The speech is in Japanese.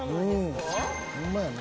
ホンマやね。